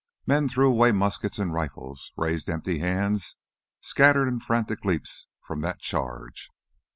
Men threw away muskets and rifles, raised empty hands, scattered in frantic leaps from that charge.